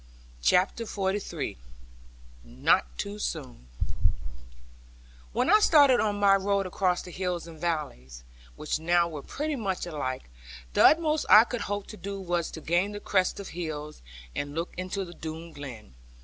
CHAPTER XLIII NOT TOO SOON When I started on my road across the hills and valleys (which now were pretty much alike), the utmost I could hope to do was to gain the crest of hills, and look into the Doone Glen.